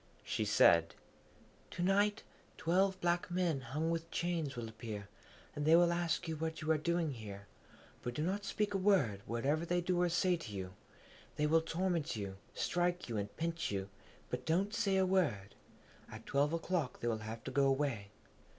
She said, 'To night, twelve black men hung with chains will appear, and they will ask what you are doing here. But do not speak a word, whatever they do or say to you. They will torment you, strike, and pinch you, but don't say a word. At twelve o'clock they will have to go away.